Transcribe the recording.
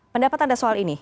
pendapat anda soal ini